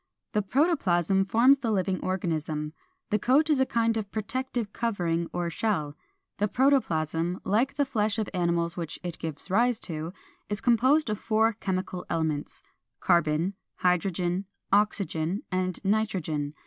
The protoplasm forms the living organism; the coat is a kind of protective covering or shell. The protoplasm, like the flesh of animals which it gives rise to, is composed of four chemical elements: Carbon, Hydrogen, Oxygen, and Nitrogen.